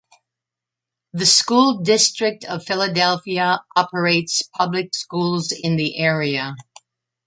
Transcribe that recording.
The School District of Philadelphia operates public schools in the area.